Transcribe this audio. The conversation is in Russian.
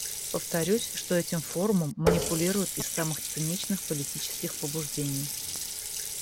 Повторюсь, что этим форумом манипулируют из самых циничных политических побуждений.